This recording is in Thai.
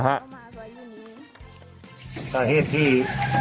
จัดกระบวนพร้อมกัน